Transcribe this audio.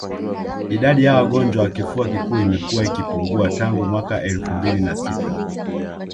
Idadi ya wagonjwa wa kifua kikuu imekuwa ikipungua tangu mwaka elfu mbili na sita